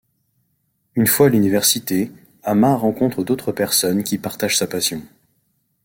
Une fois à l'Université, Ammar rencontre d'autres personnes qui partagent sa passion.